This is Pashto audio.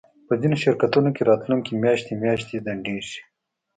په ځینو شرکتونو کې راتلونکی میاشتې میاشتې ځنډیږي